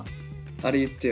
あれ言ってよ。